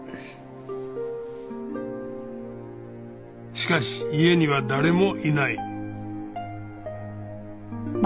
しかし家には誰もいない。